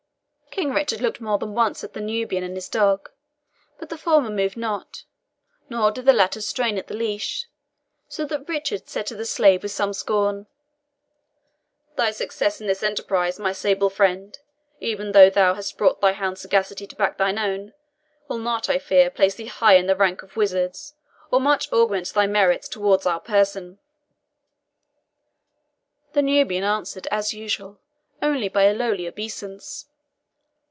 King Richard looked more than once at the Nubian and his dog; but the former moved not, nor did the latter strain at the leash, so that Richard said to the slave with some scorn, "Thy success in this enterprise, my sable friend, even though thou hast brought thy hound's sagacity to back thine own, will not, I fear, place thee high in the rank of wizards, or much augment thy merits towards our person." The Nubian answered, as usual, only by a lowly obeisance.